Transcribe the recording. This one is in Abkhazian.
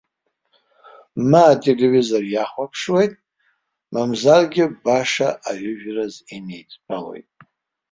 Ма ателевизор иахәаԥшуеит, мамзаргьы баша аҩыжәраз инеидтәалоит.